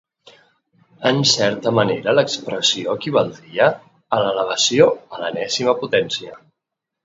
En certa manera l'expressió equivaldria a l'elevació a l'enèsima potència.